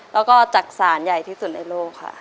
แล้วก็จักษานใหญ่ที่สุดในโลกค่ะ